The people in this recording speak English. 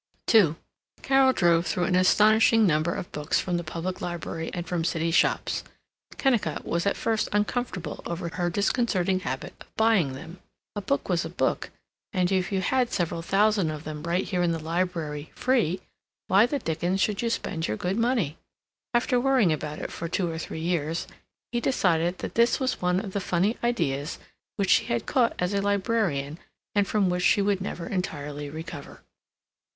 II Carol drove through an astonishing number of books from the public library and from city shops. Kennicott was at first uncomfortable over her disconcerting habit of buying them. A book was a book, and if you had several thousand of them right here in the library, free, why the dickens should you spend your good money? After worrying about it for two or three years, he decided that this was one of the Funny Ideas which she had caught as a librarian and from which she would never entirely recover.